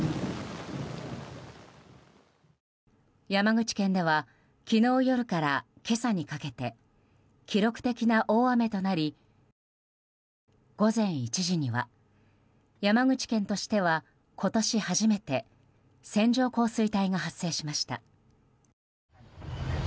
山口県では昨日夜から今朝にかけて記録的な大雨となり午前１時には、山口県としては今年初めて線状降水帯が発生しました。